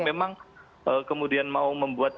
memang kemudian mau membuat